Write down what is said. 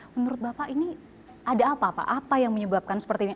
menurut bapak ini ada apa pak apa yang menyebabkan seperti ini